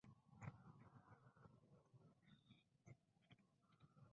Ha sido el único que ha reconocido sus crímenes.